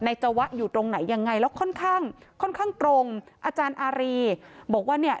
จวะอยู่ตรงไหนยังไงแล้วค่อนข้างค่อนข้างตรงอาจารย์อารีบอกว่าเนี่ย